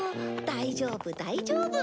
大丈夫大丈夫。